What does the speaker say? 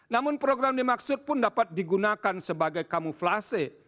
namun program dimaksud pun dapat digunakan sebagai kamuflase